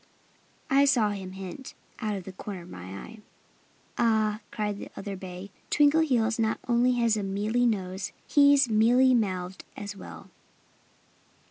I saw him hint, out of the corner of my eye." "Ah!" cried the other bay. "Twinkleheels not only has a mealy nose. He's mealy mouthed as well!"